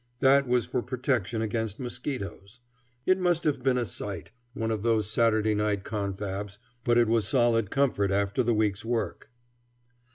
That was for protection against mosquitoes. It must have been a sight, one of those Saturday night confabs, but it was solid comfort after the wreek's work.